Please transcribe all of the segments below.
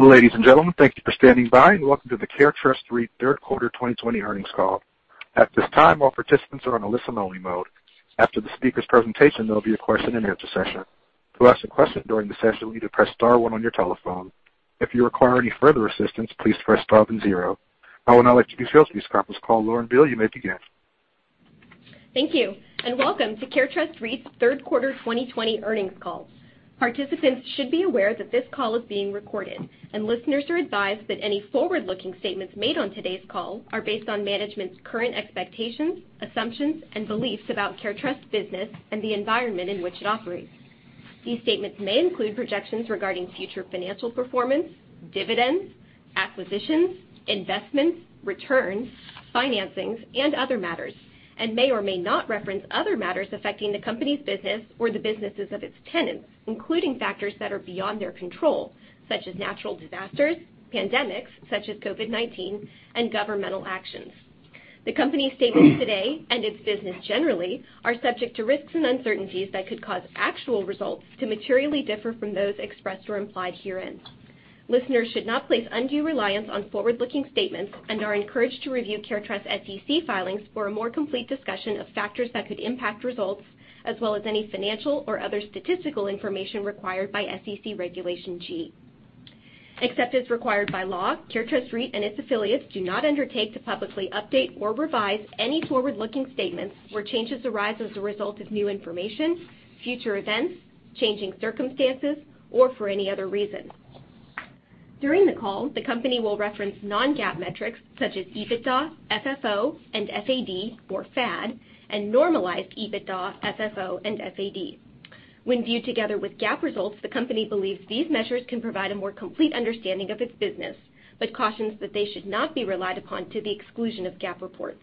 Ladies and gentlemen, thank you for standing by, and welcome to the CareTrust REIT third quarter 2020 earnings call. At this time, all participants are on a listen-only mode. After the speaker's presentation, there will be a question-and-answer session. To ask a question during the session, you need to press star one on your telephone. If you require any further assistance, please press star then zero. I would now like to give you this call. Lauren Beale, you may begin. Thank you. Welcome to CareTrust REIT's third quarter 2020 earnings call. Participants should be aware that this call is being recorded, and listeners are advised that any forward-looking statements made on today's call are based on management's current expectations, assumptions, and beliefs about CareTrust's business and the environment in which it operates. These statements may include projections regarding future financial performance, dividends, acquisitions, investments, returns, financings, and other matters, and may or may not reference other matters affecting the company's business or the businesses of its tenants, including factors that are beyond their control, such as natural disasters, pandemics, such as COVID-19, and governmental actions. The company's statements today, and its business generally, are subject to risks and uncertainties that could cause actual results to materially differ from those expressed or implied herein. Listeners should not place undue reliance on forward-looking statements and are encouraged to review CareTrust's SEC filings for a more complete discussion of factors that could impact results, as well as any financial or other statistical information required by SEC Regulation G. Except as required by law, CareTrust REIT and its affiliates do not undertake to publicly update or revise any forward-looking statements where changes arise as a result of new information, future events, changing circumstances, or for any other reason. During the call, the company will reference non-GAAP metrics such as EBITDA, FFO, and F-A-D, or FAD, and normalized EBITDA, FFO, and FAD. When viewed together with GAAP results, the company believes these measures can provide a more complete understanding of its business but cautions that they should not be relied upon to the exclusion of GAAP reports.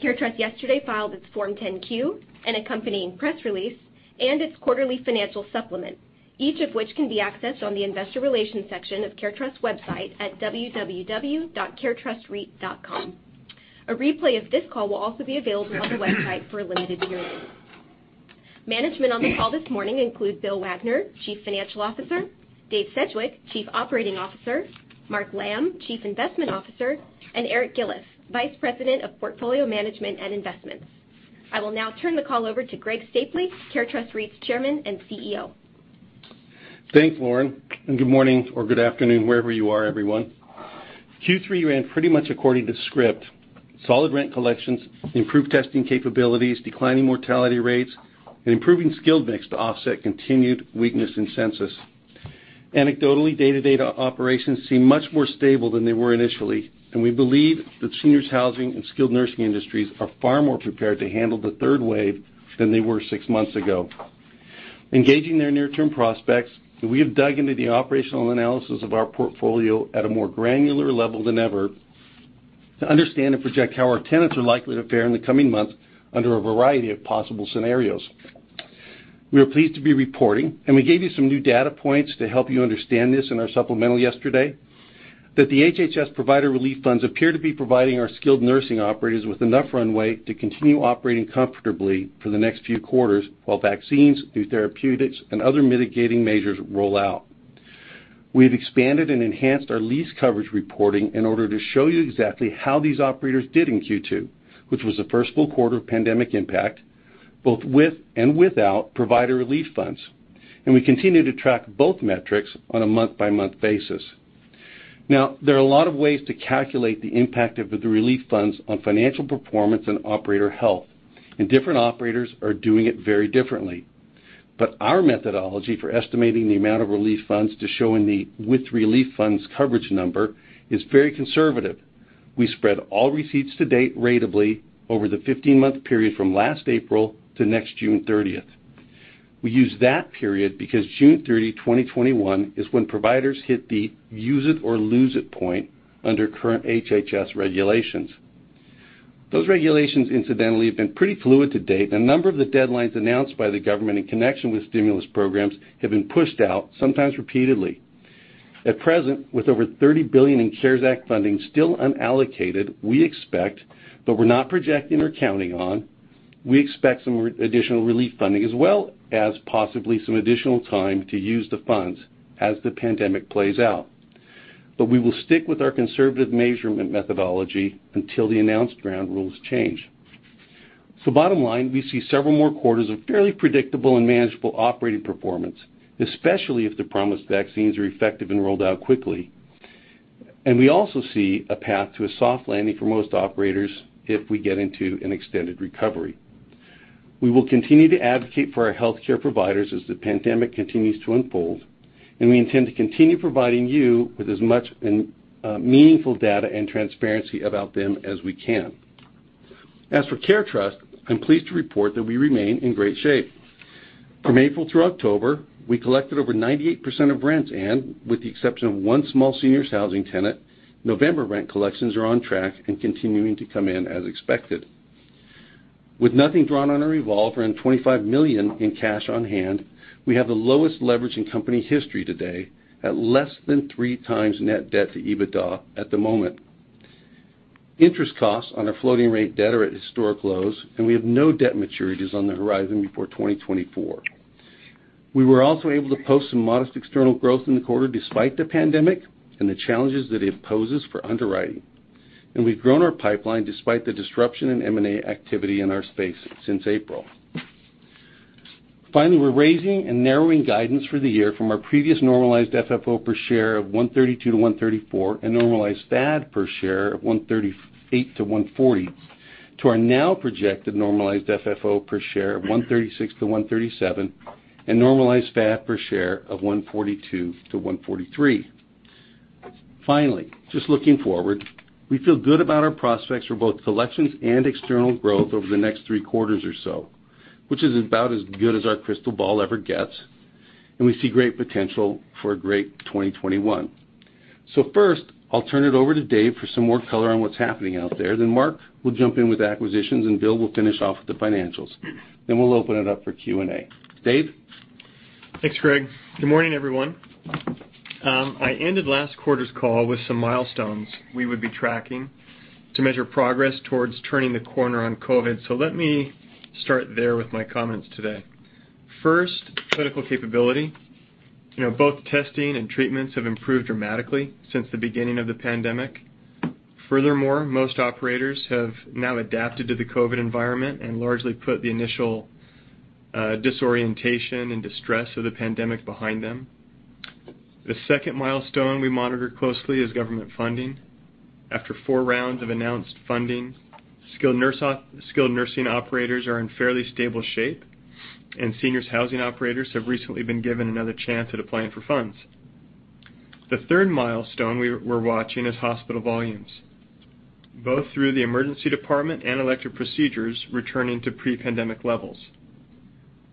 CareTrust yesterday filed its Form 10-Q and accompanying press release and its quarterly financial supplement, each of which can be accessed on the investor relations section of CareTrust's website at www.caretrustreit.com. A replay of this call will also be available on the website for a limited period. Management on the call this morning includes Bill Wagner, Chief Financial Officer, Dave Sedgwick, Chief Operating Officer, Mark Lamb, Chief Investment Officer, and Eric Gillis, Vice President of Portfolio Management and Investments. I will now turn the call over to Greg Stapley, CareTrust REIT's Chairman and CEO. Thanks, Lauren, and good morning or good afternoon wherever you are, everyone. Q3 ran pretty much according to script. Solid rent collections, improved testing capabilities, declining mortality rates, and improving skilled mix to offset continued weakness in census. Anecdotally, day-to-day operations seem much more stable than they were initially, and we believe the seniors housing and skilled nursing industries are far more prepared to handle the third wave than they were six months ago. Gauging their near-term prospects, we have dug into the operational analysis of our portfolio at a more granular level than ever to understand and project how our tenants are likely to fare in the coming months under a variety of possible scenarios. We are pleased to be reporting, we gave you some new data points to help you understand this in our supplemental yesterday, that the HHS Provider Relief Funds appear to be providing our skilled nursing operators with enough runway to continue operating comfortably for the next few quarters while vaccines, new therapeutics, and other mitigating measures roll out. We have expanded and enhanced our lease coverage reporting in order to show you exactly how these operators did in Q2, which was the first full quarter of pandemic impact, both with and without provider relief funds. We continue to track both metrics on a month-by-month basis. There are a lot of ways to calculate the impact of the relief funds on financial performance and operator health, different operators are doing it very differently. Our methodology for estimating the amount of relief funds to show in the with relief funds coverage number is very conservative. We spread all receipts to date ratably over the 15-month period from last April to next June 30th. We use that period because June 3, 2021 is when providers hit the use it or lose it point under current HHS regulations. Those regulations incidentally have been pretty fluid to date. A number of the deadlines announced by the government in connection with stimulus programs have been pushed out, sometimes repeatedly. At present, with over $30 billion in CARES Act funding still unallocated, we expect, but we're not projecting or counting on, we expect some additional relief funding as well as possibly some additional time to use the funds as the pandemic plays out. We will stick with our conservative measurement methodology until the announced ground rules change. Bottom line, we see several more quarters of fairly predictable and manageable operating performance, especially if the promised vaccines are effective and rolled out quickly. We also see a path to a soft landing for most operators if we get into an extended recovery. We will continue to advocate for our healthcare providers as the pandemic continues to unfold, and we intend to continue providing you with as much meaningful data and transparency about them as we can. As for CareTrust, I'm pleased to report that we remain in great shape. From April through October, we collected over 98% of rents, and with the exception of one small seniors housing tenant, November rent collections are on track and continuing to come in as expected. With nothing drawn on our revolver and $25 million in cash on hand, we have the lowest leverage in company history today at less than 3x net debt to EBITDA at the moment. Interest costs on our floating rate debt are at historic lows. We have no debt maturities on the horizon before 2024. We were also able to post some modest external growth in the quarter despite the pandemic and the challenges that it poses for underwriting. We've grown our pipeline despite the disruption in M&A activity in our space since April. Finally, we're raising and narrowing guidance for the year from our previous normalized FFO per share of $1.32-$1.34 and normalized FAD per share of $1.38-$1.40, to our now projected normalized FFO per share of $1.36-$1.37 and normalized FAD per share of $1.42-$1.43. Finally, just looking forward, we feel good about our prospects for both collections and external growth over the next three quarters or so, which is about as good as our crystal ball ever gets, and we see great potential for a great 2021. First, I'll turn it over to Dave for some more color on what's happening out there, then Mark will jump in with acquisitions, and Bill will finish off with the financials. We'll open it up for Q&A. Dave? Thanks, Greg. Good morning, everyone. I ended last quarter's call with some milestones we would be tracking to measure progress towards turning the corner on COVID. Let me start there with my comments today. First, clinical capability. Both testing and treatments have improved dramatically since the beginning of the pandemic. Furthermore, most operators have now adapted to the COVID environment and largely put the initial disorientation and distress of the pandemic behind them. The second milestone we monitor closely is government funding. After four rounds of announced funding, skilled nursing operators are in fairly stable shape, and seniors housing operators have recently been given another chance at applying for funds. The third milestone we're watching is hospital volumes, both through the emergency department and elective procedures returning to pre-pandemic levels.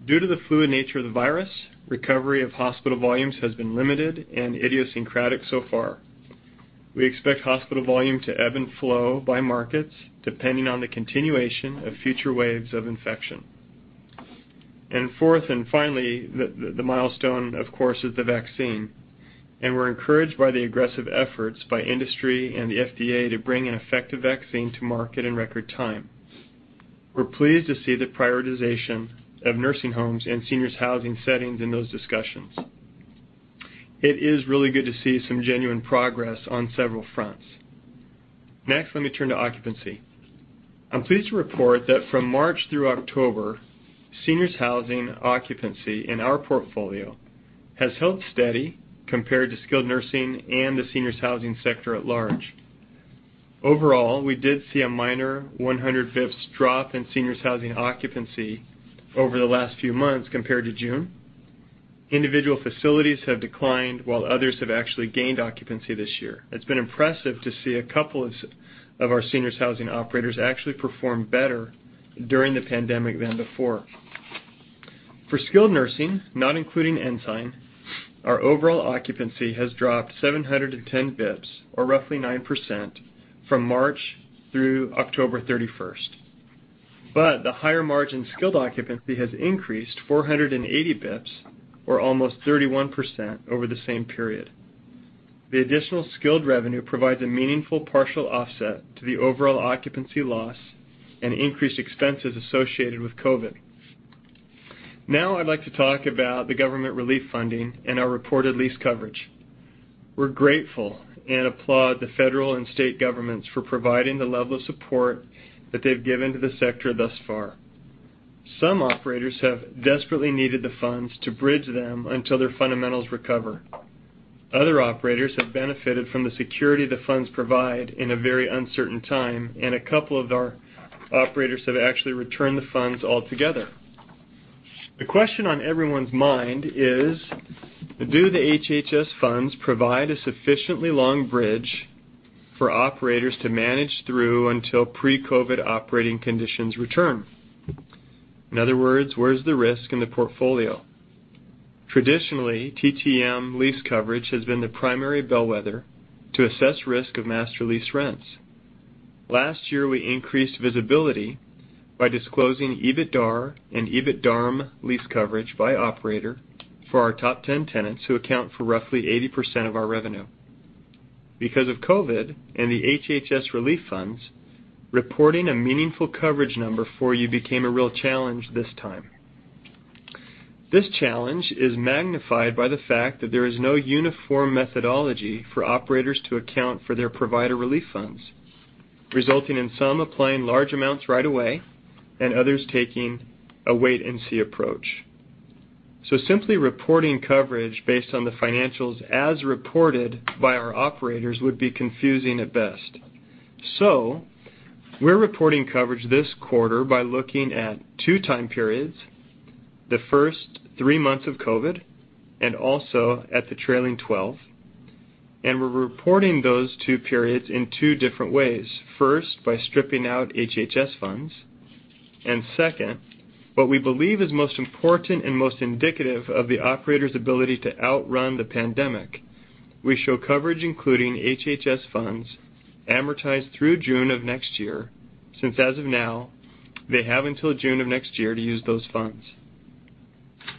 Due to the fluid nature of the virus, recovery of hospital volumes has been limited and idiosyncratic so far. We expect hospital volume to ebb and flow by markets, depending on the continuation of future waves of infection. Fourth and finally, the milestone, of course, is the vaccine, and we're encouraged by the aggressive efforts by industry and the FDA to bring an effective vaccine to market in record time. We're pleased to see the prioritization of nursing homes and seniors housing settings in those discussions. It is really good to see some genuine progress on several fronts. Next, let me turn to occupancy. I'm pleased to report that from March through October, seniors housing occupancy in our portfolio has held steady compared to skilled nursing and the seniors housing sector at large. Overall, we did see a minor 100 basis points drop in seniors housing occupancy over the last few months compared to June. Individual facilities have declined while others have actually gained occupancy this year. It's been impressive to see a couple of our seniors housing operators actually perform better during the pandemic than before. For skilled nursing, not including Ensign, our overall occupancy has dropped 710 basis points or roughly 9% from March through October 31st. The higher margin skilled occupancy has increased 480 basis points or almost 31% over the same period. The additional skilled revenue provides a meaningful partial offset to the overall occupancy loss and increased expenses associated with COVID. I'd like to talk about the government relief funding and our reported lease coverage. We're grateful and applaud the federal and state governments for providing the level of support that they've given to the sector thus far. Some operators have desperately needed the funds to bridge them until their fundamentals recover. Other operators have benefited from the security the funds provide in a very uncertain time, and a couple of our operators have actually returned the funds altogether. The question on everyone's mind is, do the HHS funds provide a sufficiently long bridge for operators to manage through until pre-COVID operating conditions return? In other words, where is the risk in the portfolio? Traditionally, TTM lease coverage has been the primary bellwether to assess risk of master lease rents. Last year, we increased visibility by disclosing EBITDAR and EBITDARM lease coverage by operator for our top 10 tenants, who account for roughly 80% of our revenue. Because of COVID and the HHS relief funds, reporting a meaningful coverage number for you became a real challenge this time. This challenge is magnified by the fact that there is no uniform methodology for operators to account for their provider relief funds, resulting in some applying large amounts right away and others taking a wait and see approach. Simply reporting coverage based on the financials as reported by our operators would be confusing at best. We're reporting coverage this quarter by looking at two time periods, the first three months of COVID and also at the trailing 12. We're reporting those two periods in two different ways, first, by stripping out HHS funds, and second, what we believe is most important and most indicative of the operators ability to outrun the pandemic. We show coverage including HHS funds amortized through June of next year, since as of now, they have until June of next year to use those funds.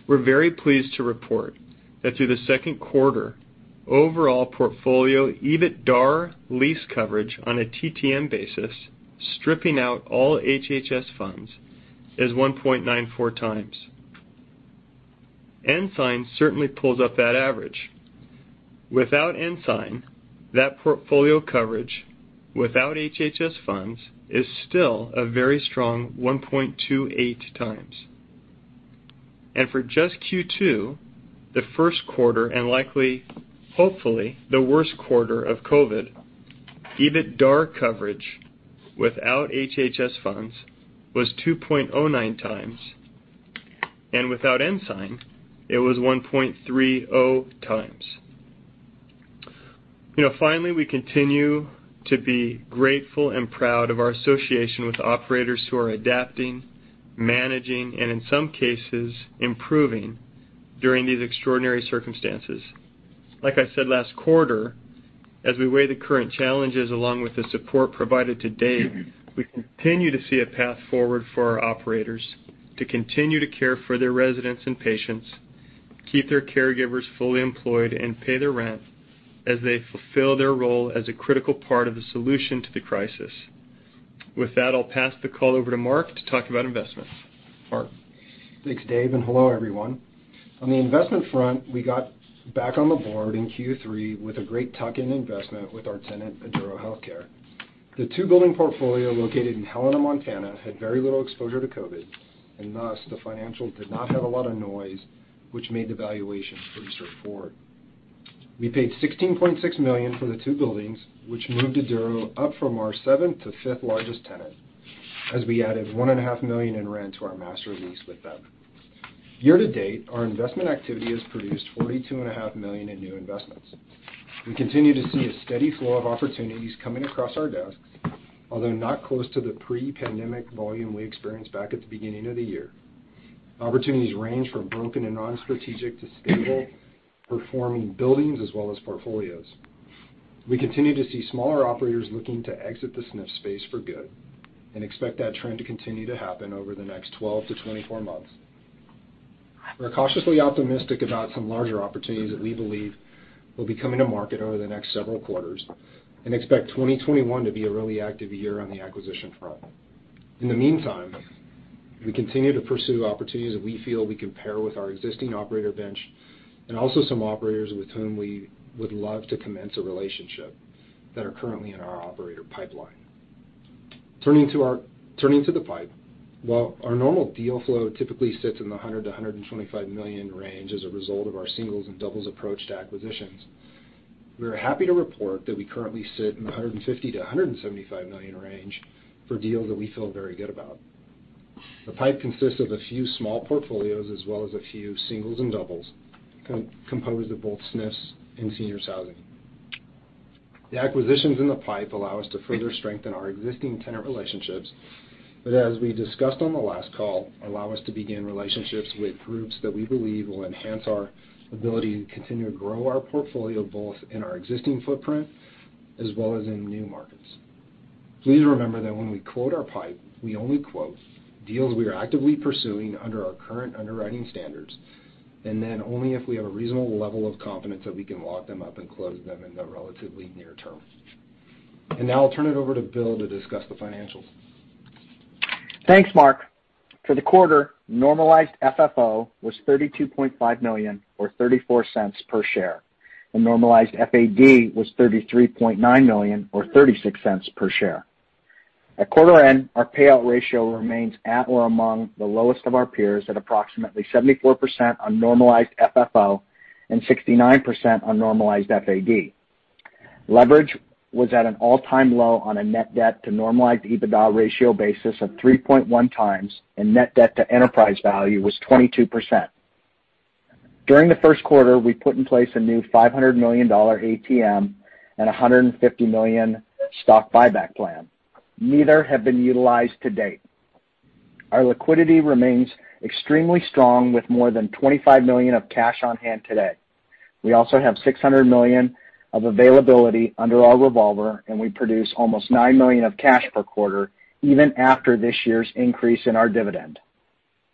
We're very pleased to report that through the second quarter, overall portfolio, EBITDAR lease coverage on a TTM basis, stripping out all HHS funds, is 1.94 times. Ensign certainly pulls up that average. Without Ensign, that portfolio coverage without HHS funds is still a very strong 1.28x. For just Q2, the first quarter, and likely, hopefully, the worst quarter of COVID, EBITDAR coverage without HHS funds was 2.09x, and without Ensign, it was 1.30x. Finally, we continue to be grateful and proud of our association with operators who are adapting, managing, and in some cases, improving during these extraordinary circumstances. Like I said last quarter, as we weigh the current challenges, along with the support provided to date, we continue to see a path forward for our operators to continue to care for their residents and patients, keep their caregivers fully employed, and pay their rent as they fulfill their role as a critical part of the solution to the crisis. With that, I'll pass the call over to Mark to talk about investments. Mark? Thanks, Dave, hello, everyone. On the investment front, we got back on the board in Q3 with a great tuck-in investment with our tenant, Eduro Healthcare. The two-building portfolio located in Helena, Montana, had very little exposure to COVID, and thus, the financial did not have a lot of noise, which made the valuation pretty straightforward. We paid $16.6 million for the two buildings, which moved Eduro up from our seventh to fifth largest tenant, as we added $1.5 million in rent to our master lease with them. Year to date, our investment activity has produced $42.5 million in new investments. We continue to see a steady flow of opportunities coming across our desks, although not close to the pre-pandemic volume we experienced back at the beginning of the year. Opportunities range from broken and non-strategic to stable performing buildings as well as portfolios. We continue to see smaller operators looking to exit the SNF space for good and expect that trend to continue to happen over the next 12-24 months. We're cautiously optimistic about some larger opportunities that we believe will be coming to market over the next several quarters and expect 2021 to be a really active year on the acquisition front. In the meantime, we continue to pursue opportunities that we feel we can pair with our existing operator bench and also some operators with whom we would love to commence a relationship that are currently in our operator pipeline. Turning to the pipe, while our normal deal flow typically sits in the $100 million-$125 million range as a result of our singles and doubles approach to acquisitions, we are happy to report that we currently sit in $150 million-$175 million range for deals that we feel very good about. The pipe consists of a few small portfolios as well as a few singles and doubles composed of both SNFs and seniors housing. The acquisitions in the pipe allow us to further strengthen our existing tenant relationships, but as we discussed on the last call, allow us to begin relationships with groups that we believe will enhance our ability to continue to grow our portfolio, both in our existing footprint as well as in new markets. Please remember that when we quote our pipe, we only quote deals we are actively pursuing under our current underwriting standards, and then only if we have a reasonable level of confidence that we can lock them up and close them in the relatively near term. Now I'll turn it over to Bill to discuss the financials. Thanks, Mark. For the quarter, normalized FFO was $32.5 million or $0.34 per share. The normalized FAD was $33.9 million or $0.36 per share. At quarter end, our payout ratio remains at or among the lowest of our peers at approximately 74% on normalized FFO and 69% on normalized FAD. Leverage was at an all-time low on a net debt to normalized EBITDA ratio basis of 3.1 times, and net debt to enterprise value was 22%. During the first quarter, we put in place a new $500 million ATM and $150 million stock buyback plan. Neither have been utilized to date. Our liquidity remains extremely strong with more than $25 million of cash on hand today. We also have $600 million of availability under our revolver, and we produce almost $9 million of cash per quarter, even after this year's increase in our dividend.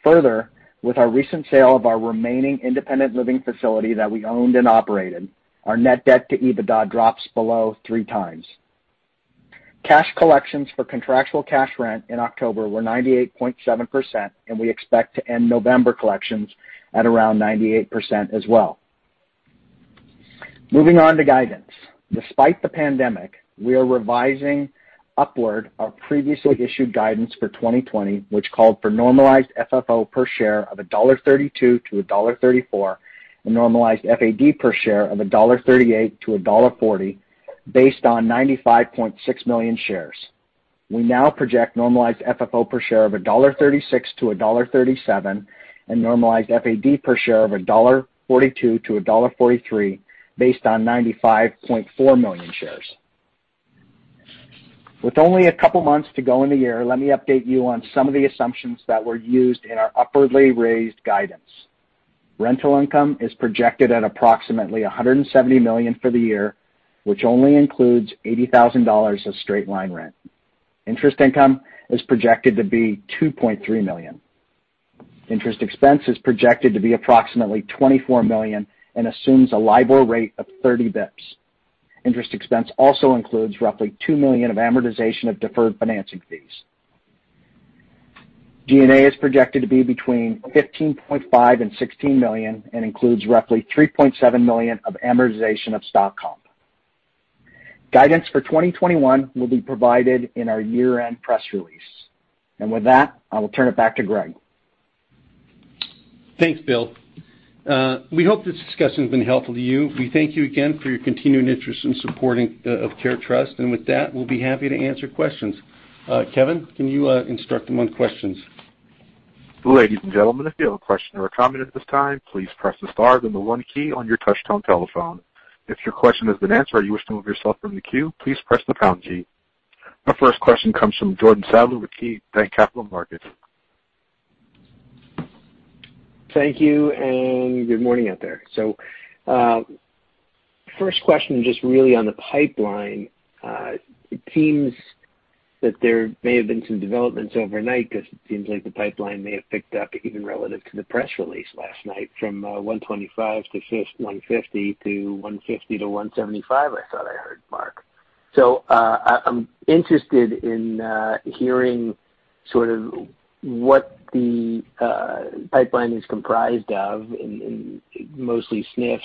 Further, with our recent sale of our remaining independent living facility that we owned and operated, our net debt to EBITDA drops below 3x. Cash collections for contractual cash rent in October were 98.7%, and we expect to end November collections at around 98% as well. Moving on to guidance. Despite the pandemic, we are revising upward our previously issued guidance for 2020, which called for normalized FFO per share of $1.32-$1.34, and normalized FAD per share of $1.38-$1.40 based on 95.6 million shares. We now project normalized FFO per share of $1.36-$1.37 and normalized FAD per share of $1.42-$1.43 based on 95.4 million shares. With only a couple of months to go in the year, let me update you on some of the assumptions that were used in our upwardly raised guidance. Rental income is projected at approximately $170 million for the year, which only includes $80,000 of straight line rent. Interest income is projected to be $2.3 million. Interest expense is projected to be approximately $24 million and assumes a LIBOR rate of 30 basis points. Interest expense also includes roughly $2 million of amortization of deferred financing fees. G&A is projected to be between $15.5 million and $16 million and includes roughly $3.7 million of amortization of stock comp. Guidance for 2021 will be provided in our year-end press release. With that, I will turn it back to Greg. Thanks, Bill. We hope this discussion has been helpful to you. We thank you again for your continuing interest and supporting of CareTrust. With that, we'll be happy to answer questions. Kevin, can you instruct them on questions? Ladies and gentlemen, if you have a question or a comment at this time, please press the star then the one key on your touch tone telephone. If your question has been answered or you wish to remove yourself from the queue, please press the pound key. Our first question comes from Jordan Sadler with KeyBanc Capital Markets. Thank you, and good morning out there. First question, just really on the pipeline. It seems that there may have been some developments overnight because it seems like the pipeline may have picked up even relative to the press release last night from $125 million-$150 million to $150 million-$175 million, I thought I heard Mark. I'm interested in hearing sort of what the pipeline is comprised of in mostly SNFs,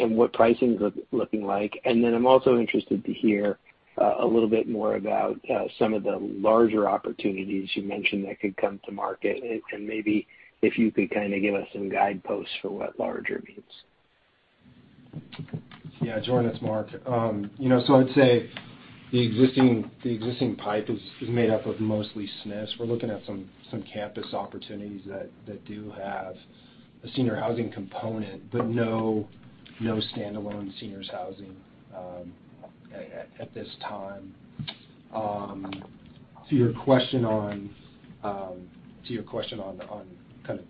and what pricing's looking like? I'm also interested to hear a little bit more about some of the larger opportunities you mentioned that could come to market, and maybe if you could kind of give us some guideposts for what larger means. Jordan, it's Mark. I'd say the existing pipe is made up of mostly SNFs. We're looking at some campus opportunities that do have a senior housing component, but no standalone seniors housing at this time. To your question on kind of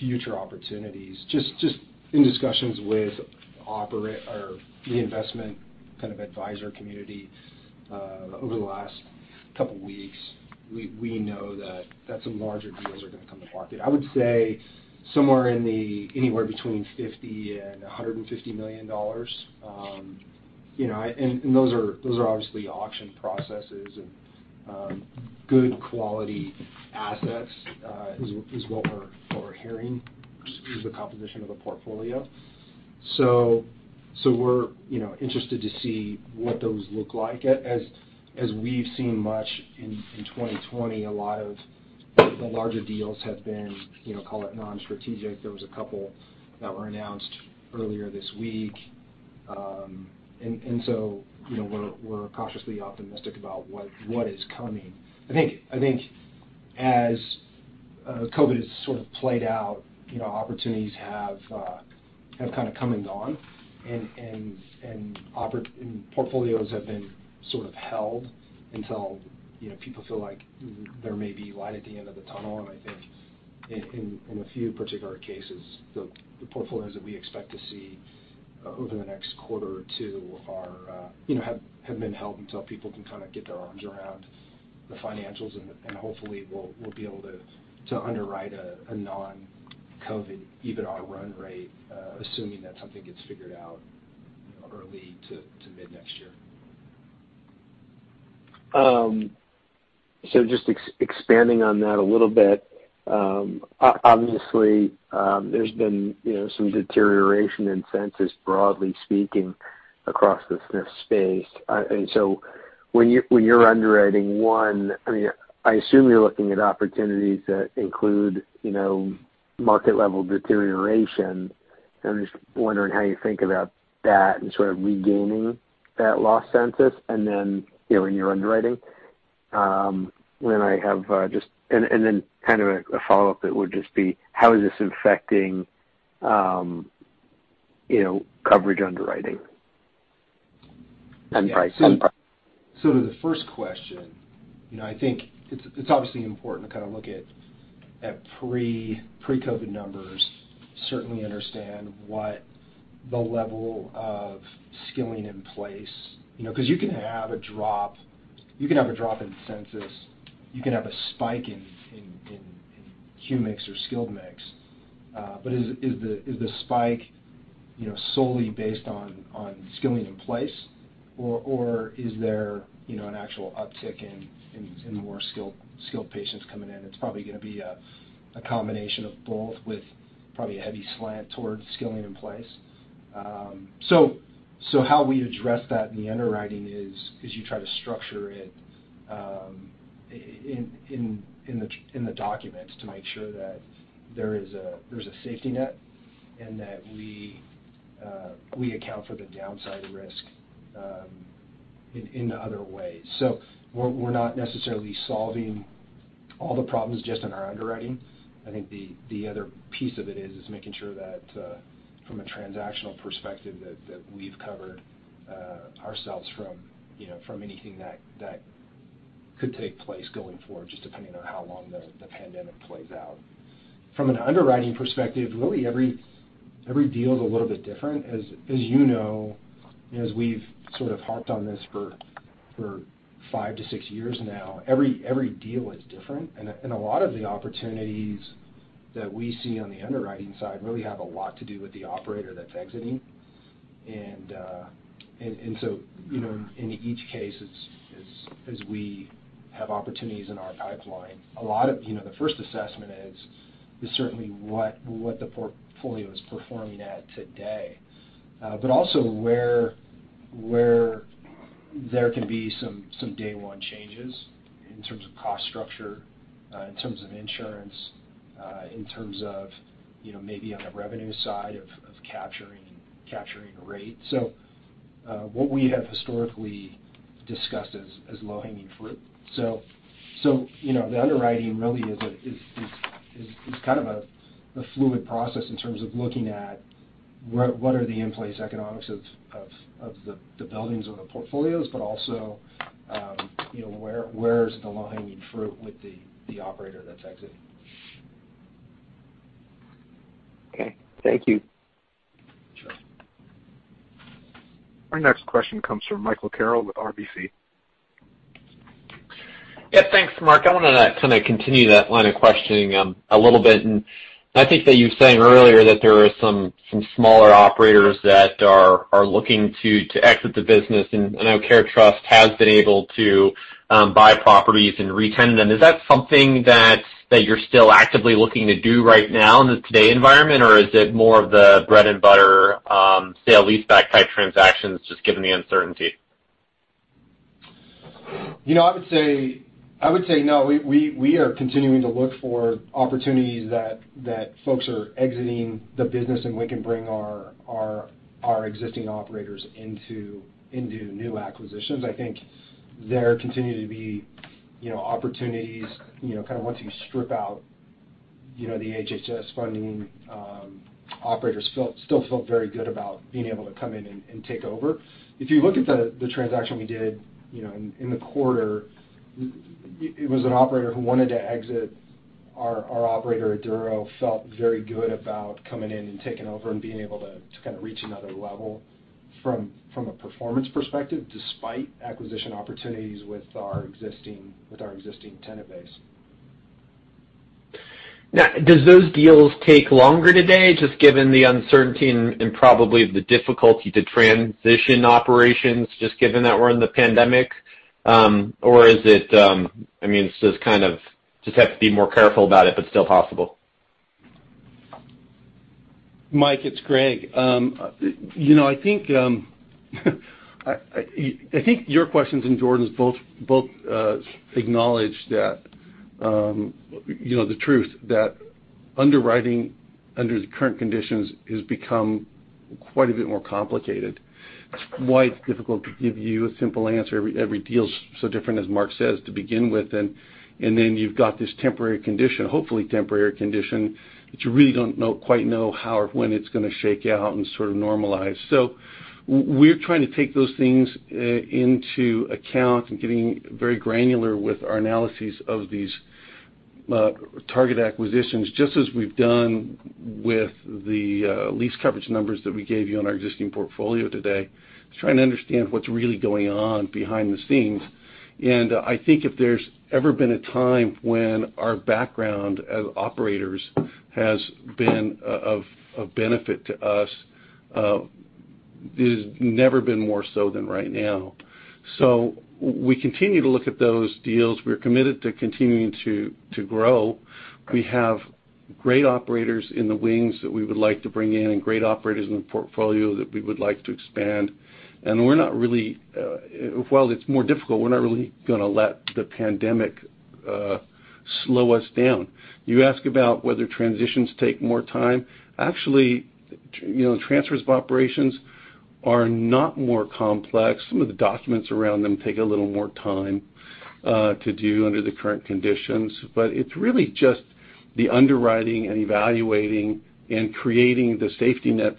future opportunities, just in discussions with the investment kind of advisor community, over the last couple weeks, we know that some larger deals are going to come to market. I would say somewhere in the anywhere between $50 million and $150 million. Those are obviously auction processes and good quality assets, is what we're hearing is the composition of the portfolio. We're interested to see what those look like. As we've seen much in 2020, a lot of the larger deals have been call it non-strategic. There was a couple that were announced earlier this week. We're cautiously optimistic about what is coming. I think as COVID has sort of played out, opportunities have kind of come and gone, and portfolios have been sort of held until people feel like there may be light at the end of the tunnel. I think in a few particular cases, the portfolios that we expect to see over the next quarter or two have been held until people can kind of get their arms around the financials, hopefully we'll be able to underwrite a non-COVID EBITDA run rate, assuming that something gets figured out early to mid next year. Just expanding on that a little bit. Obviously, there's been some deterioration in census broadly speaking across the SNF space. When you're underwriting one, I assume you're looking at opportunities that include market level deterioration, and I'm just wondering how you think about that and sort of regaining that lost census, and then in your underwriting. Kind of a follow-up that would just be how is this affecting coverage underwriting and pricing? To the first question, I think it's obviously important to kind of look at pre-COVID numbers, certainly understand what the level of skilling in place, because you can have a drop in census, you can have a spike in Q-Mix or Skilled Mix. Is the spike solely based on skilling in place, or is there an actual uptick in more skilled patients coming in? It's probably going to be a combination of both with probably a heavy slant towards skilling in place. How we address that in the underwriting is you try to structure it in the documents to make sure that there's a safety net and that we account for the downside risk in other ways. We're not necessarily solving all the problems just in our underwriting. I think the other piece of it is making sure that from a transactional perspective, that we've covered ourselves from anything that could take place going forward, just depending on how long the pandemic plays out. From an underwriting perspective, really every deal is a little bit different. As you know, as we've sort of harped on this for five to six years now, every deal is different, and a lot of the opportunities that we see on the underwriting side really have a lot to do with the operator that's exiting. In each case, as we have opportunities in our pipeline, the first assessment is certainly what the portfolio is performing at today. Also where there can be some day one changes in terms of cost structure, in terms of insurance, in terms of maybe on the revenue side of capturing rate. What we have historically discussed as low-hanging fruit. The underwriting really is kind of a fluid process in terms of looking at what are the in-place economics of the buildings or the portfolios, but also where's the low-hanging fruit with the operator that's exiting. Okay. Thank you. Sure. Our next question comes from Michael Carroll with RBC. Yeah. Thanks, Mark. I want to kind of continue that line of questioning a little bit. I think that you were saying earlier that there are some smaller operators that are looking to exit the business, and I know CareTrust has been able to buy properties and re-tenant them. Is that something that you're still actively looking to do right now in the today environment, or is it more of the bread-and-butter sale-lease back type transactions, just given the uncertainty? I would say no. We are continuing to look for opportunities that folks are exiting the business, and we can bring our existing operators into new acquisitions. I think there continue to be opportunities kind of once you strip out the HHS funding. Operators still felt very good about being able to come in and take over. If you look at the transaction we did in the quarter, it was an operator who wanted to exit. Our operator at Eduro felt very good about coming in and taking over and being able to kind of reach another level from a performance perspective, despite acquisition opportunities with our existing tenant base. Now, do those deals take longer today, just given the uncertainty and probably the difficulty to transition operations, just given that we're in the pandemic? Or is it just kind of have to be more careful about it, but still possible? Mike, it's Greg. I think your questions and Jordan's both acknowledge the truth that underwriting under the current conditions has become quite a bit more complicated. That's why it's difficult to give you a simple answer. Every deal is so different, as Mark says, to begin with, and then you've got this temporary condition, hopefully temporary condition, that you really don't quite know how or when it's going to shake out and sort of normalize. We're trying to take those things into account and getting very granular with our analyses of these target acquisitions, just as we've done with the lease coverage numbers that we gave you on our existing portfolio today, just trying to understand what's really going on behind the scenes. I think if there's ever been a time when our background as operators has been of benefit to us, it has never been more so than right now. We continue to look at those deals. We're committed to continuing to grow. We have great operators in the wings that we would like to bring in and great operators in the portfolio that we would like to expand. While it's more difficult, we're not really going to let the pandemic slow us down. You ask about whether transitions take more time. Actually, transfers of operations are not more complex. Some of the documents around them take a little more time to do under the current conditions, but it's really just the underwriting and evaluating and creating the safety nets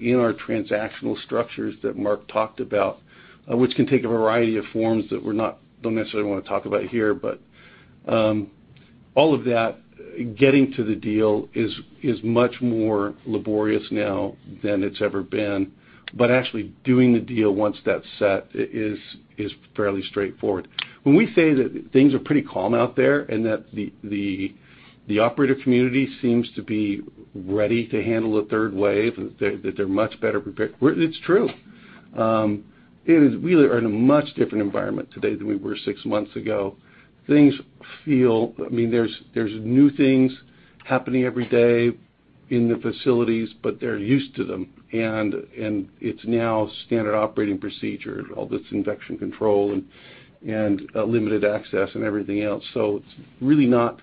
in our transactional structures that Mark talked about, which can take a variety of forms that we don't necessarily want to talk about here. All of that, getting to the deal is much more laborious now than it's ever been. Actually doing the deal once that's set is fairly straightforward. When we say that things are pretty calm out there and that the operator community seems to be ready to handle a third wave, that they're much better prepared, it's true. We really are in a much different environment today than we were six months ago. There's new things happening every day in the facilities, but they're used to them, and it's now standard operating procedure, all this infection control and limited access and everything else. It's really not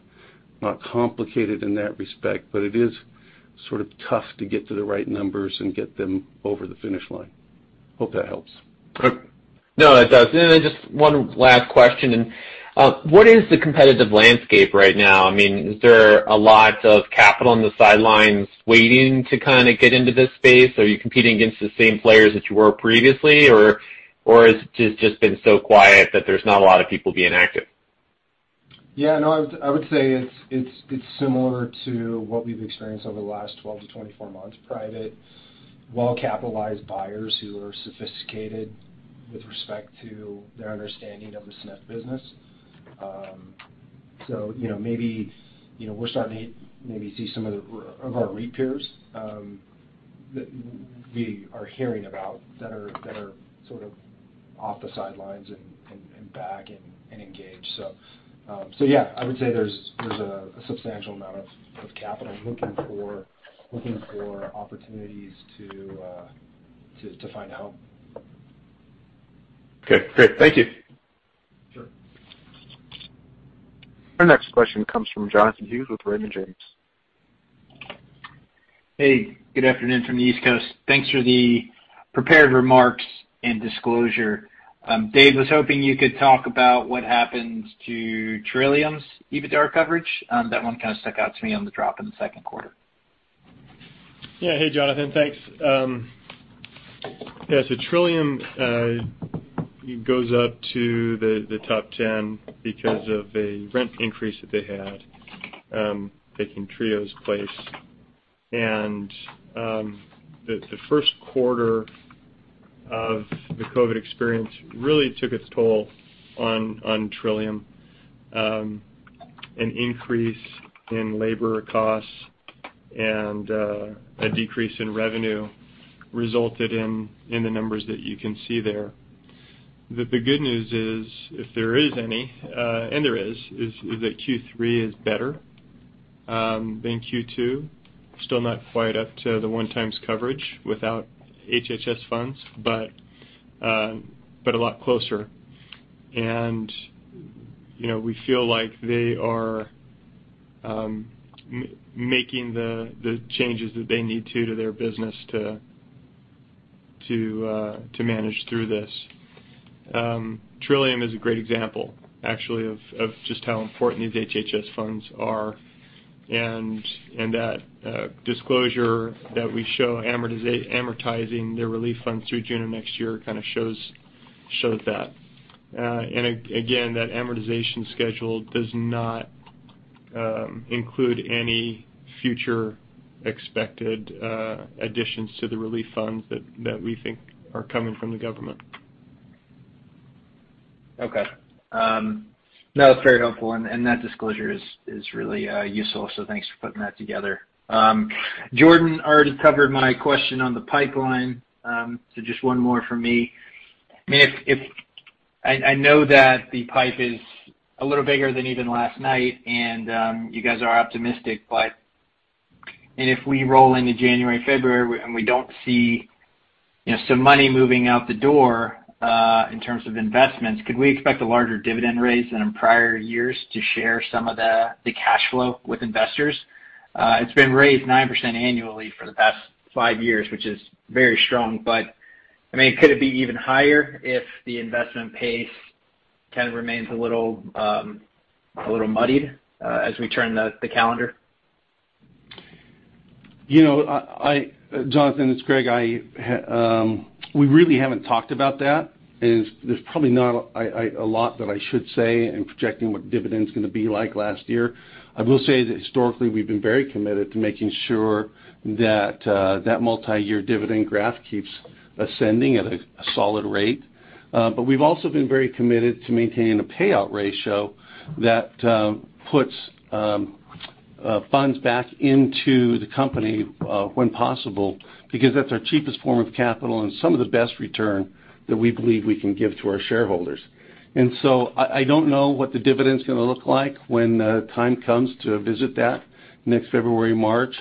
complicated in that respect, but it is sort of tough to get to the right numbers and get them over the finish line. Hope that helps. No, it does. Just one last question. What is the competitive landscape right now? Is there a lot of capital on the sidelines waiting to kind of get into this space? Are you competing against the same players that you were previously, or has it just been so quiet that there's not a lot of people being active? Yeah, no, I would say it's similar to what we've experienced over the last 12-24 months, private, well-capitalized buyers who are sophisticated with respect to their understanding of the SNF business. Maybe we're starting to see some of our REIT peers that we are hearing about that are sort of off the sidelines and back and engaged. Yeah, I would say there's a substantial amount of capital looking for opportunities to find a home. Okay, great. Thank you. Sure. Our next question comes from Jonathan Hughes with Raymond James. Hey, good afternoon from the East Coast. Thanks for the prepared remarks and disclosure. Dave, I was hoping you could talk about what happened to Trillium's EBITDA coverage. That one kind of stuck out to me on the drop in the second quarter. Hey, Jonathan, thanks. Trillium goes up to the top 10 because of a rent increase that they had, taking Trio's place. The first quarter of the COVID experience really took its toll on Trillium. An increase in labor costs and a decrease in revenue resulted in the numbers that you can see there. The good news is, if there is any, and there is that Q3 is better than Q2. Still not quite up to the one time coverage without HHS funds, but a lot closer. We feel like they are making the changes that they need to their business to manage through this. Trillium is a great example, actually, of just how important these HHS funds are, and that disclosure that we show amortizing their relief funds through June of next year kind of shows that. Again, that amortization schedule does not include any future expected additions to the relief funds that we think are coming from the government. Okay. No, that's very helpful, and that disclosure is really useful, so thanks for putting that together. Jordan already covered my question on the pipeline, so just one more from me. I know that the pipe is a little bigger than even last night, and you guys are optimistic, if we roll into January, February, and we don't see some money moving out the door in terms of investments, could we expect a larger dividend raise than in prior years to share some of the cash flow with investors? It's been raised 9% annually for the past five years, which is very strong, but could it be even higher if the investment pace kind of remains a little muddied as we turn the calendar? Jonathan, it's Greg. We really haven't talked about that, There's probably not a lot that I should say in projecting what dividend's going to be like last year. I will say that historically, we've been very committed to making sure that that multi-year dividend graph keeps ascending at a solid rate. We've also been very committed to maintaining a payout ratio that puts funds back into the company when possible, because that's our cheapest form of capital and some of the best return that we believe we can give to our shareholders. I don't know what the dividend's going to look like when the time comes to visit that next February, March.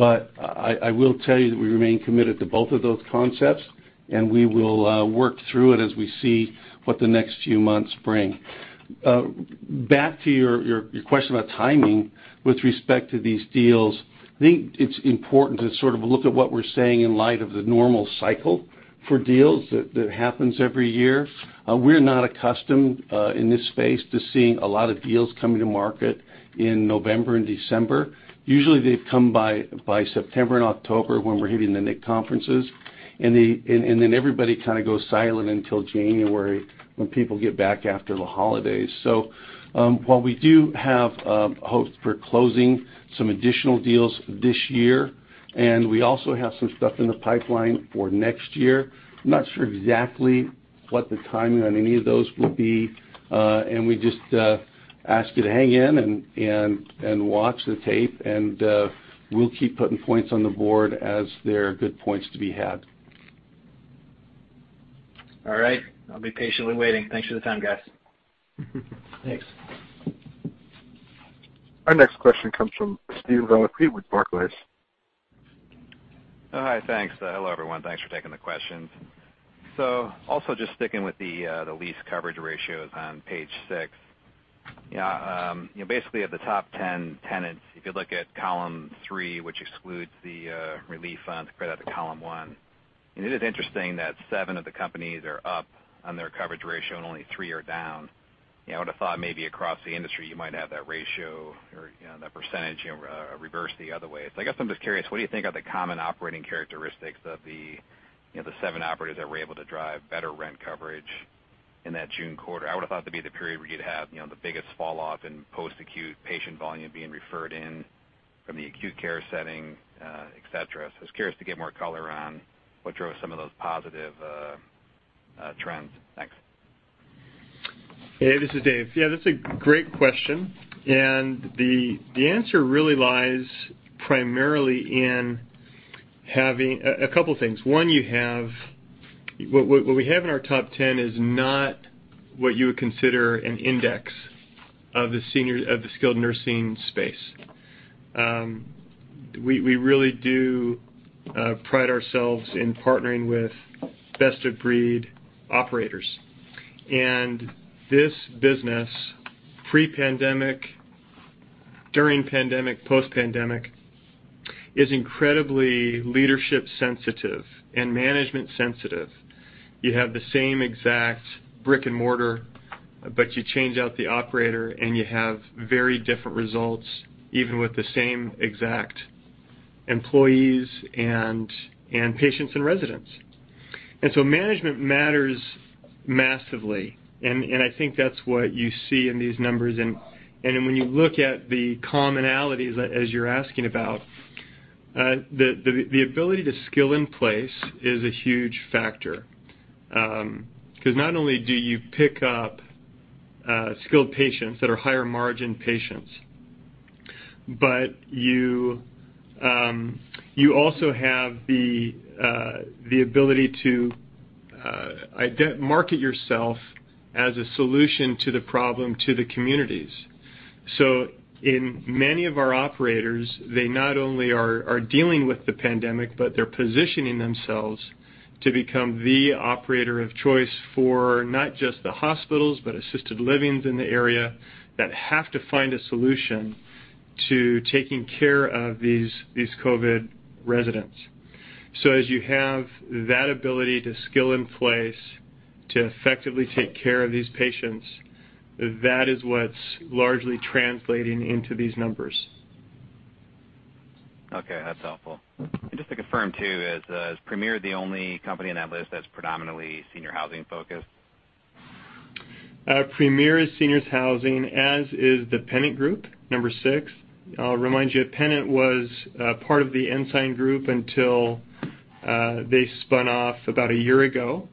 I will tell you that we remain committed to both of those concepts, We will work through it as we see what the next few months bring. Back to your question about timing with respect to these deals, I think it's important to sort of look at what we're saying in light of the normal cycle for deals that happens every year. We're not accustomed in this space to seeing a lot of deals coming to market in November and December. Usually, they've come by September and October when we're hitting the NIC conferences, and then everybody kind of goes silent until January, when people get back after the holidays. While we do have hopes for closing some additional deals this year, and we also have some stuff in the pipeline for next year, I'm not sure exactly what the timing on any of those will be. We just ask you to hang in and watch the tape, and we'll keep putting points on the board as there are good points to be had. All right. I'll be patiently waiting. Thanks for the time, guys. Thanks. Our next question comes from Steve Valiquette with Barclays. Oh, hi, thanks. Hello, everyone. Thanks for taking the questions. Also just sticking with the lease coverage ratios on page six. Basically at the top 10 tenants, if you look at column three, which excludes the relief funds, right out of column one, it is interesting that seven of the companies are up on their coverage ratio and only three are down. I would've thought maybe across the industry you might have that ratio or that percentage reverse the other way. I guess I'm just curious, what do you think are the common operating characteristics of the seven operators that were able to drive better rent coverage in that June quarter? I would have thought that'd be the period where you'd have the biggest fall off in post-acute patient volume being referred in from the acute care setting, et cetera. I was curious to get more color on what drove some of those positive trends. Thanks. Hey, this is Dave. Yeah, that's a great question. The answer really lies primarily in a couple things. One, what we have in our top 10 is not what you would consider an index of the skilled nursing space. We really do pride ourselves in partnering with best-of-breed operators. This business, pre-pandemic, during pandemic, post-pandemic, is incredibly leadership sensitive and management sensitive. You have the same exact brick and mortar. You change out the operator, you have very different results, even with the same exact employees and patients and residents. Management matters massively. I think that's what you see in these numbers. When you look at the commonalities, as you're asking about, the ability to skill in place is a huge factor. Because not only do you pick up skilled patients that are higher margin patients, but you also have the ability to market yourself as a solution to the problem to the communities. In many of our operators, they not only are dealing with the pandemic, but they're positioning themselves to become the operator of choice for not just the hospitals, but assisted livings in the area that have to find a solution to taking care of these COVID residents. As you have that ability to skill in place to effectively take care of these patients, that is what's largely translating into these numbers. Okay, that's helpful. Just to confirm too, is Premier the only company on that list that's predominantly senior housing focused? Premier is seniors housing, as is The Pennant Group, number six. I'll remind you, Pennant was part of The Ensign Group until they spun off about a year ago.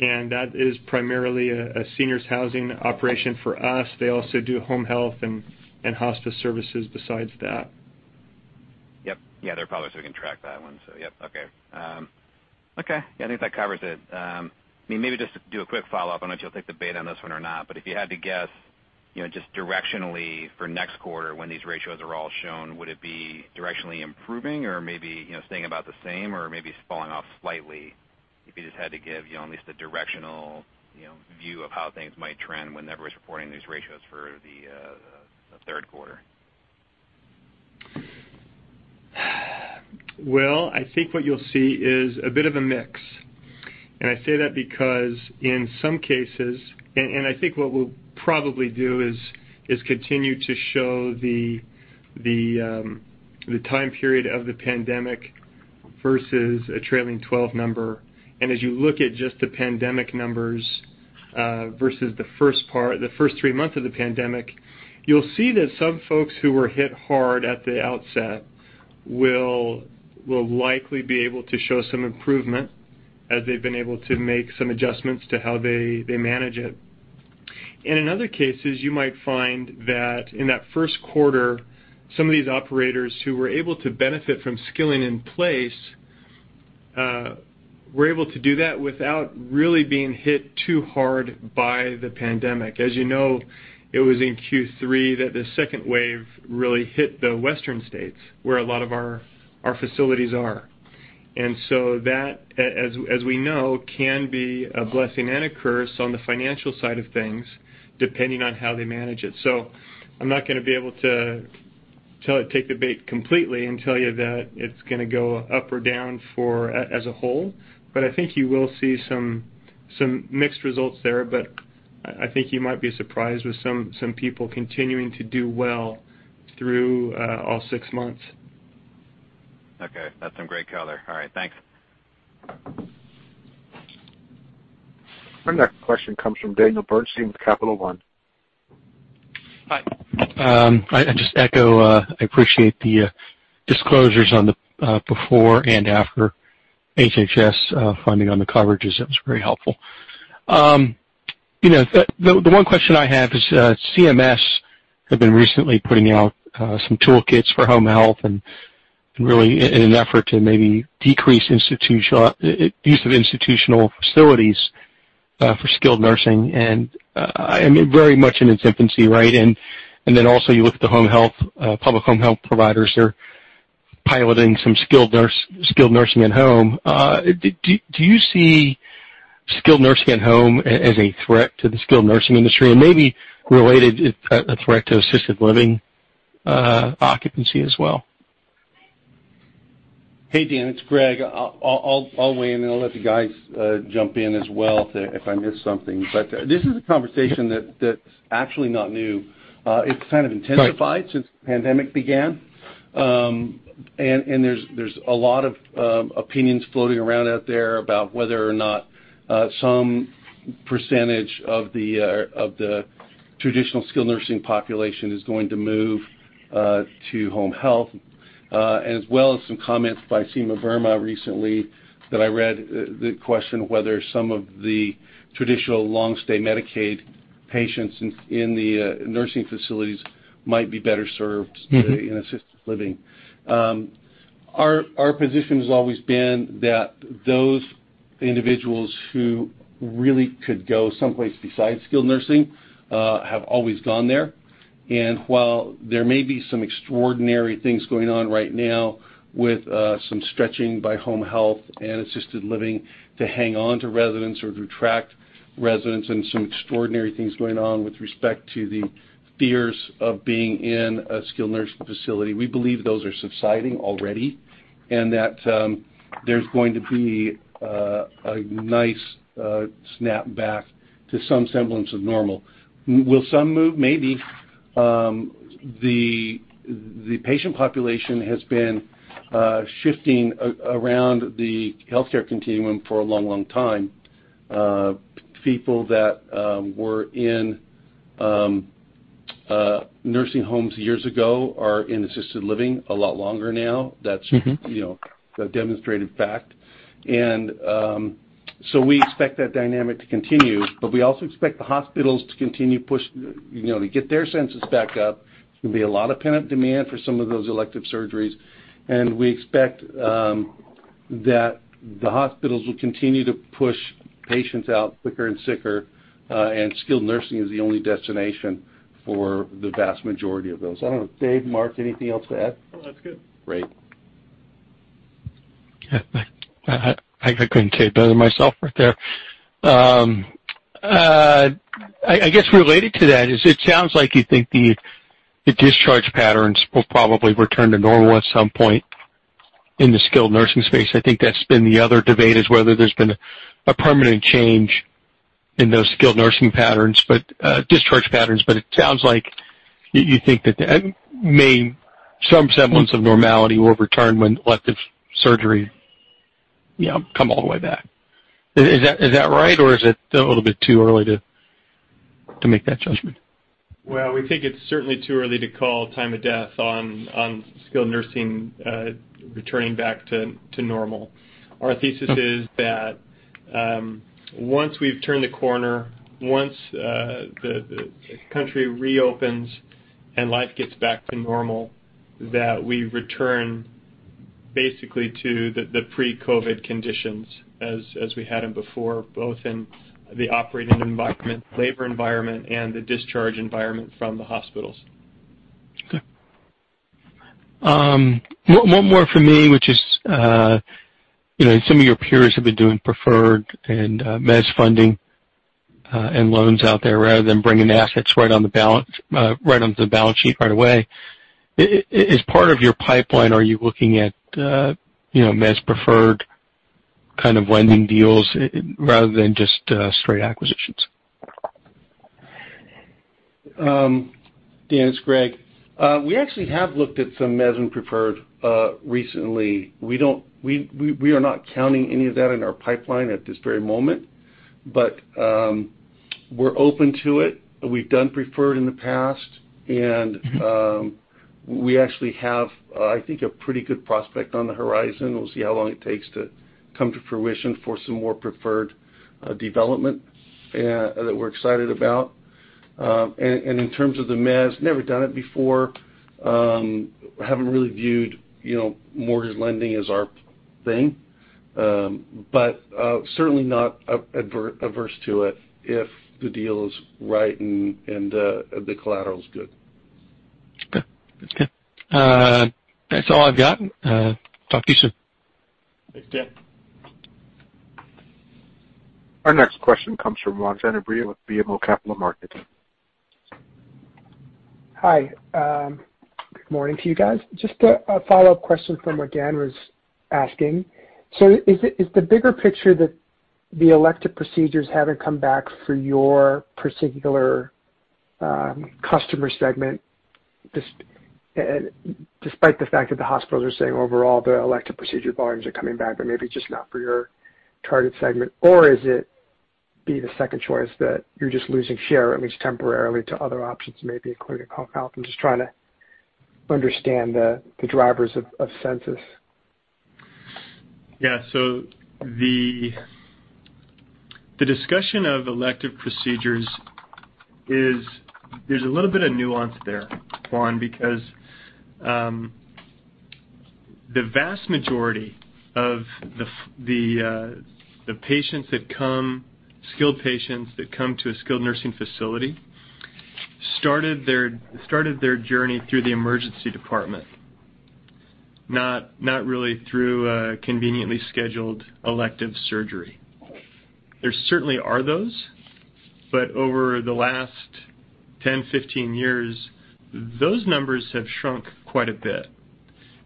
That is primarily a seniors housing operation for us. They also do home health and hospice services besides that. Yep. Yeah, they're public, so we can track that one. Yep, okay. Okay. Yeah, I think that covers it. Maybe just to do a quick follow-up. I don't know if you'll take the bait on this one or not, but if you had to guess, just directionally for next quarter when these ratios are all shown, would it be directionally improving or maybe staying about the same or maybe falling off slightly? If you just had to give at least a directional view of how things might trend whenever it's reporting these ratios for the third quarter? Well, I think what you'll see is a bit of a mix. I say that because in some cases, I think what we'll probably do is continue to show the time period of the pandemic versus a trailing 12 number. As you look at just the pandemic numbers, versus the first three months of the pandemic, you'll see that some folks who were hit hard at the outset will likely be able to show some improvement as they've been able to make some adjustments to how they manage it. In other cases, you might find that in that first quarter, some of these operators who were able to benefit from skilling in place, were able to do that without really being hit too hard by the pandemic. As you know, it was in Q3 that the second wave really hit the western states, where a lot of our facilities are. That, as we know, can be a blessing and a curse on the financial side of things, depending on how they manage it. I'm not going to be able to take the bait completely and tell you that it's going to go up or down as a whole, but I think you will see some mixed results there. I think you might be surprised with some people continuing to do well through all six months. Okay, that's some great color. All right, thanks. Our next question comes from Daniel Bernstein with Capital One. Hi. I just echo, I appreciate the disclosures on the before and after HHS funding on the coverages. That was very helpful. The one question I have is, CMS have been recently putting out some toolkits for home health and really in an effort to maybe decrease use of institutional facilities for skilled nursing, and very much in its infancy, right? Also you look at the public home health providers are piloting some skilled nursing at home. Do you see skilled nursing at home as a threat to the skilled nursing industry and maybe related, a threat to assisted living occupancy as well? Hey, Dan, it's Greg. I'll weigh in, and I'll let the guys jump in as well if I miss something. This is a conversation that's actually not new. It's kind of intensified since the pandemic began. There's a lot of opinions floating around out there about whether or not some percentage of the traditional skilled nursing population is going to move to home health, as well as some comments by Seema Verma recently that I read, the question of whether some of the traditional long-stay Medicaid patients in the nursing facilities might be better served.in assisted living. Our position has always been that those individuals who really could go someplace besides skilled nursing have always gone there. And while there may be some extraordinary things going on right now with some stretching by home health and assisted living to hang on to residents or to attract residents, and some extraordinary things going on with respect to the fears of being in a skilled nursing facility, we believe those are subsiding already, and that there's going to be a nice snapback to some semblance of normal. Will some move? Maybe. The patient population has been shifting around the healthcare continuum for a long, long time. People that were in nursing homes years ago are in assisted living a lot longer now. That's-a demonstrated fact. We expect that dynamic to continue, but we also expect the hospitals, to get their census back up, there's going to be a lot of pent-up demand for some of those elective surgeries. We expect that the hospitals will continue to push patients out quicker and sicker, and skilled nursing is the only destination for the vast majority of those. I don't know, Dave, Mark, anything else to add? No, that's good. Great. I couldn't say it better myself right there. I guess related to that, is it sounds like you think the discharge patterns will probably return to normal at some point in the skilled nursing space. I think that's been the other debate, is whether there's been a permanent change in those skilled nursing patterns, discharge patterns, it sounds like you think that some semblance of normality will return when elective surgery come all the way back. Is that right, or is it a little bit too early to make that judgment? Well, we think it's certainly too early to call time of death on skilled nursing returning back to normal. Our thesis is that once we've turned a corner, once the country reopens and life gets back to normal, that we return basically to the pre-COVID conditions as we had them before, both in the operating environment, labor environment, and the discharge environment from the hospitals. Okay. One more from me, which is, some of your peers have been doing preferred and mezz funding, and loans out there rather than bringing assets right onto the balance sheet right away. As part of your pipeline, are you looking at mezz preferred kind of lending deals rather than just straight acquisitions? Dan, it's Greg. We actually have looked at some mezz and preferred recently. We are not counting any of that in our pipeline at this very moment, but we're open to it. We've done preferred in the past, and we actually have, I think, a pretty good prospect on the horizon. We'll see how long it takes to come to fruition for some more preferred development that we're excited about. In terms of the mezz, never done it before. Haven't really viewed mortgage lending as our thing. Certainly not adverse to it if the deal is right and the collateral's good. Okay. That's good. That's all I've got. Talk to you soon. Thanks, Dan. Our next question comes from Juan Sanabria with BMO Capital Markets. Hi. Good morning to you guys. Just a follow-up question from what Dan was asking. Is the bigger picture that the elective procedures haven't come back for your particular customer segment, despite the fact that the hospitals are saying overall their elective procedure volumes are coming back, but maybe just not for your target segment? Is it B, the second choice, that you're just losing share, at least temporarily, to other options, maybe including home health? I'm just trying to understand the drivers of census. Yeah. The discussion of elective procedures is, there's a little bit of nuance there, Juan, because the vast majority of the skilled patients that come to a skilled nursing facility started their journey through the emergency department, not really through a conveniently scheduled elective surgery. There certainly are those, but over the last 10, 15 years, those numbers have shrunk quite a bit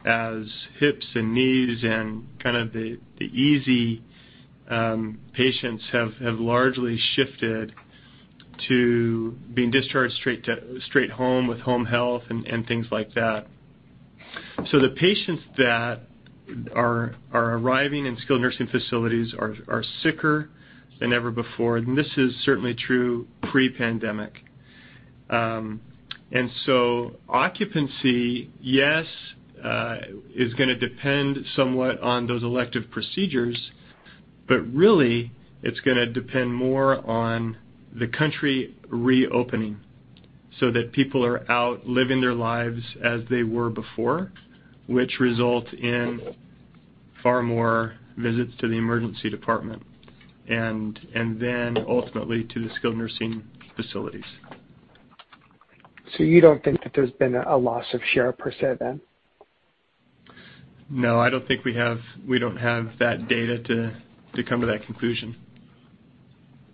as hips and knees and kind of the easy patients have largely shifted to being discharged straight home with home health and things like that. The patients that are arriving in skilled nursing facilities are sicker than ever before, and this is certainly true pre-pandemic. Occupancy, yes, is going to depend somewhat on those elective procedures, but really it's going to depend more on the country reopening so that people are out living their lives as they were before, which result in far more visits to the emergency department and then ultimately to the skilled nursing facilities. You don't think that there's been a loss of share per se, then? No, I don't think we don't have that data to come to that conclusion.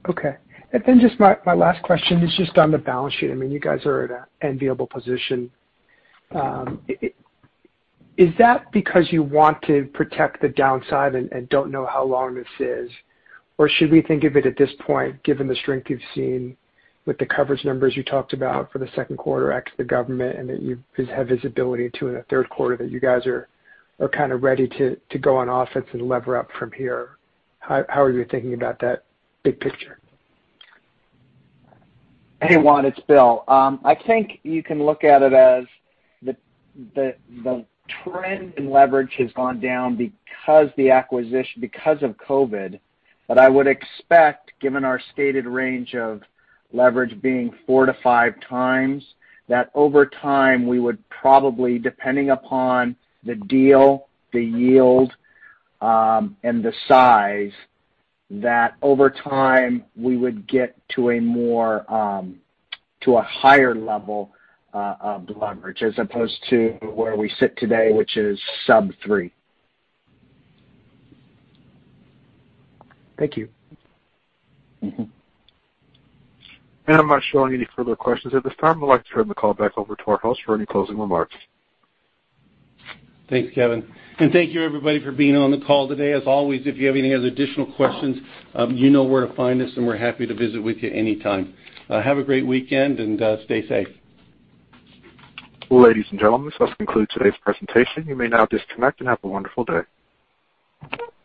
Okay. Just my last question is just on the balance sheet. You guys are at an enviable position. Is that because you want to protect the downside and don't know how long this is? Should we think of it at this point, given the strength you've seen with the coverage numbers you talked about for the second quarter, ex the government, and that you have visibility into the third quarter, that you guys are kind of ready to go on offense and lever up from here? How are you thinking about that big picture? Hey, Juan, it's Bill. I think you can look at it as the trend in leverage has gone down because of COVID. I would expect, given our stated range of leverage being 4x to 5x, that over time, we would probably, depending upon the deal, the yield, and the size, that over time we would get to a higher level of leverage as opposed to where we sit today, which is sub 3. Thank you. I'm not showing any further questions at this time. I'd like to turn the call back over to our host for any closing remarks. Thanks, Kevin. Thank you everybody for being on the call today. As always, if you have any other additional questions, you know where to find us and we're happy to visit with you anytime. Have a great weekend and stay safe. Ladies and gentlemen, this does conclude today's presentation. You may now disconnect and have a wonderful day.